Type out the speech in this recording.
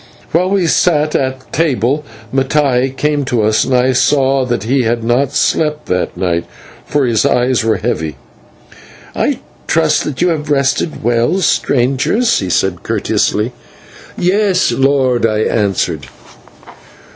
While we sat at table, Mattai came to us, and I saw that he had not slept that night, for his eyes were heavy. "I trust that you have rested well, strangers," he said courteously. "Yes, lord," I answered.